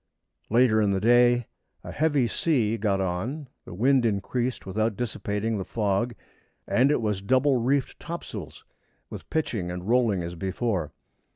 Later in the day a heavy sea got on; the wind increased without dissipating the fog, and it was double reefed topsails and pitching and rolling as before.